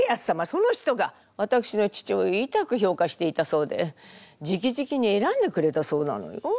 その人がわたくしの父親をいたく評価していたそうでじきじきに選んでくれたそうなのよ。